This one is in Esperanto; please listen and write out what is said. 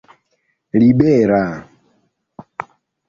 libera